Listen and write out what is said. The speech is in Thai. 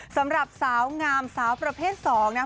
สำหรับสาวงามสาวประเภท๒นะ